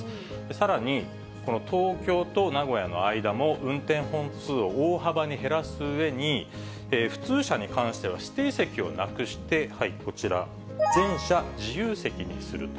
さらに、この東京と名古屋の間も運転本数を大幅に減らすうえに、普通車に関しては、指定席をなくして、こちら、全車自由席にすると。